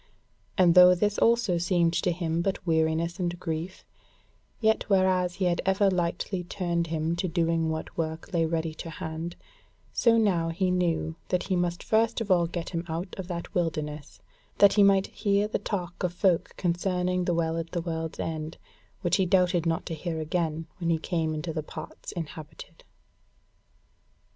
And though this also seemed to him but weariness and grief, yet whereas he had ever lightly turned him to doing what work lay ready to hand; so now he knew that he must first of all get him out of that wilderness, that he might hear the talk of folk concerning the Well at the World's End, which he doubted not to hear again when he came into the parts inhabited.